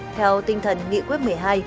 theo tinh thần nghị quyết một mươi hai